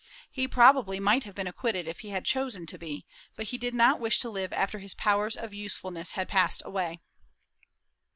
He probably might have been acquitted if he had chosen to be, but he did not wish to live after his powers of usefulness had passed away.